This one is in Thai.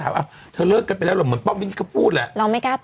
อ้าวเลิกกันไปรึเปล่าเหมือนป้อมบินผมก็พูดแหละ